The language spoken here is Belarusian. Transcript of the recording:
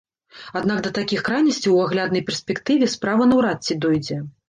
Аднак да такіх крайнасцяў у агляднай перспектыве справа наўрад ці дойдзе.